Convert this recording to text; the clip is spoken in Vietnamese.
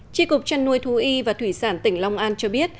tri cục trăn nuôi thú y và thủy sản tỉnh long an cho biết